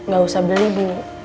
gak usah beli bu